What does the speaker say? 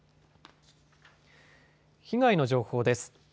被害の情報です。